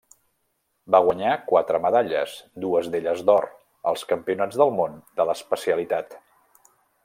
Va guanyar quatre medalles, dues d'elles d'or, als Campionats del món de l'especialitat.